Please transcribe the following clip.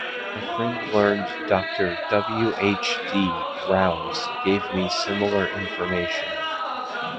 My learned friend Dr. W. H. D. Rouse gave me similar information.